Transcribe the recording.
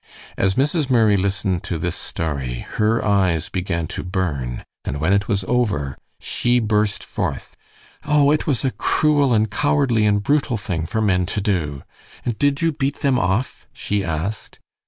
As Mrs. Murray listened to this story her eyes began to burn, and when it was over, she burst forth: "Oh, it was a cruel and cowardly and brutal thing for men to do! And did you beat them off?" she asked.